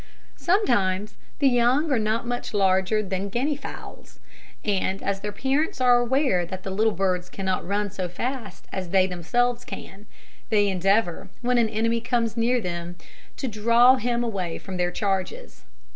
Sometimes the young are not much larger than Guinea fowls; and as their parents are aware that the little birds cannot run so fast as they themselves can, they endeavour, when an enemy comes near, to draw him away from their charges.